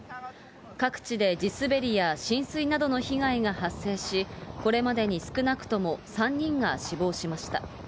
各地で地滑りや浸水などの被害が発生し、これまでに少なくとも３人が死亡しました。